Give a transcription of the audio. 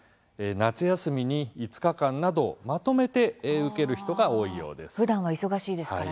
夏休みに５日間など、まとめて受ける人が多いようです。